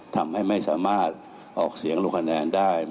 ทำให้ไม่สามารถออกเสียงลงคะแนนได้